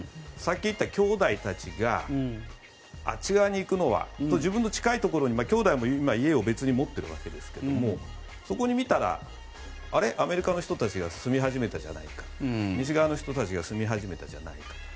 さっき言ったきょうだいたちがあっち側に行くのはと自分の近いところにきょうだいも今、家を別で持っているわけですけどそこに見たらあれ、アメリカの人たちが住み始めたじゃないか西側の人たちが住み始めたじゃないか。